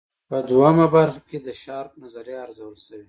په دویمه برخه کې د شارپ نظریه ارزول شوې.